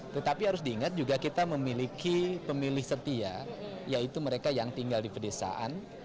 tetapi harus diingat juga kita memiliki pemilih setia yaitu mereka yang tinggal di pedesaan